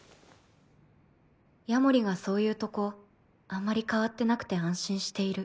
夜守がそういうとこあんまり変わってなくて安心している